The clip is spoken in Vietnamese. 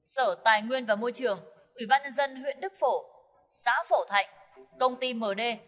sở tài nguyên và môi trường ủy ban nhân dân huyện đức phổ xã phổ thạnh công ty md